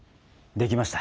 できました。